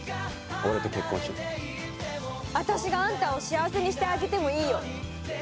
俺と結婚しろあたしがあんたを幸せにしてあげてもいいよ